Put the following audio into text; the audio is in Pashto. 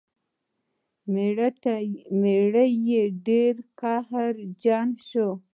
میړه یې ډیر قهرجن شو.